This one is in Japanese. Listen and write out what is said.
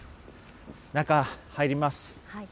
中、入ります。